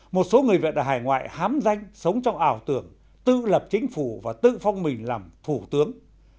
một số người việt ở hải ngoại hám danh sống trong ảo tưởng tự lập chính phủ và tự phong mình làm thủ tướng